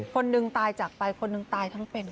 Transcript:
คนหนึ่งตายจากไปคนหนึ่งตายทั้งเป็น